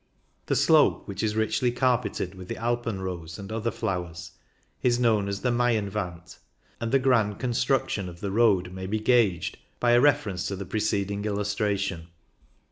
The slope, which is richly car peted with the Alpenrose and other flowers, is known as the Maienwand, and the grand construction of the road may be gauged by a reference to the preceding illustration.